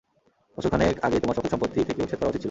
বছরখানেক আগেই তোমায় সকল সম্পত্তি থেকে উচ্ছেদ করা উচিত ছিল।